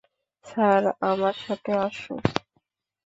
Sir, আমার সাথে আসুন।